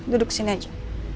duduk sini aja